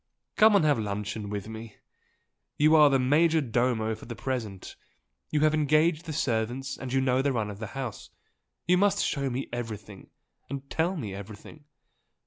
"Come and have luncheon with me! You are the major domo for the present you have engaged the servants and you know the run of the house you must show me everything and tell me everything!